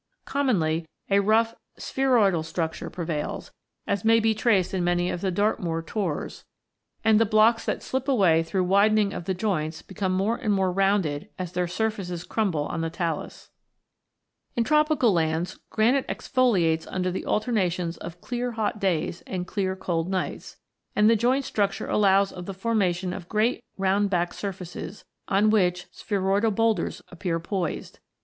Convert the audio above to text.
Commonly, a rough spheroidal structure prevails, as may be traced in many of the Dartmoor "tors/' and the Fig 17. WEATHERING GEANITE. Lundy Island. 140 ROCKS AND THEIR ORIGINS [CH. blocks that slip away through widening of the joints become more and more rounded as their surfaces crumble on the talus (Fig. 17). In tropical lands, granite exfoliates under the alternations of clear hot days and clear cold nights, and the joint structure allows of the formation of great round backed surfaces, on which spheroidal boulders appear poised.